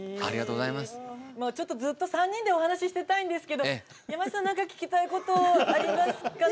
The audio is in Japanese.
ずっと３人でお話していたいんですが山里さん、何か聞きたいことありますか？